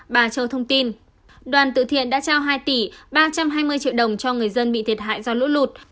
bà châu thông tin đoàn tự thiện đã trao hai tỷ ba trăm hai mươi triệu đồng cho người dân bị thiệt hại do lũ lụt